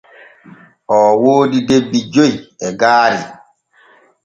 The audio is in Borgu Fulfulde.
Oo woodi debbi joy e gaari.